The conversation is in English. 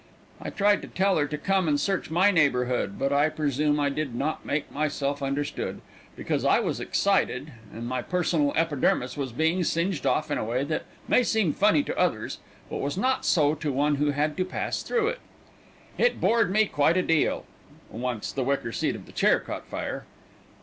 I tried to tell her to come and search my neighborhood, but I presume I did not make myself understood, because I was excited, and my personal epidermis was being singed off in a way that may seem funny to others, but was not so to one who had to pass through it. It bored me quite a deal. Once the wicker seat of the chair caught fire.